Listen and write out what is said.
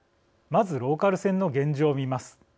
まず、ローカル線の現状を見ます。